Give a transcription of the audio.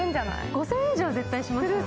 ５０００円以上は絶対しますよね。